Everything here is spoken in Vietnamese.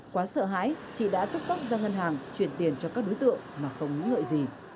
quá sợ hãi chị đã tức tốc ra ngân hàng chuyển tiền cho các đối tượng mà không nghĩ ngợi gì